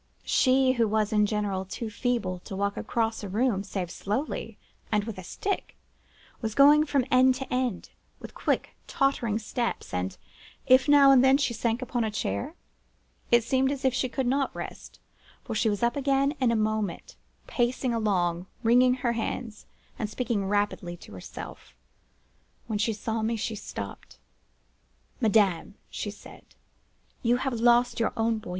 She, who was in general too feeble to walk across the room save slowly, and with a stick, was going from end to end with quick, tottering steps; and, if now and then she sank upon a chair, it seemed as if she could not rest, for she was up again in a moment, pacing along, wringing her hands, and speaking rapidly to herself. When she saw me, she stopped: 'Madame,' she said, 'you have lost your own boy.